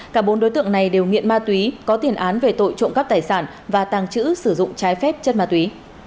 cả bốn đối tượng này đều nghiện ma túy có tiền án về tội trộm cắp tài sản và tàng trữ sử dụng trái phép chất ma túy